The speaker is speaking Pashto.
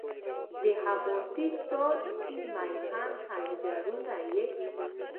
د الماسې څاڅکو مهین ځنځیرونه یې